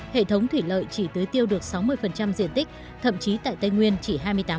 hệ thống thủy lợi chỉ tưới tiêu được sáu mươi diện tích thậm chí tại tây nguyên chỉ hai mươi tám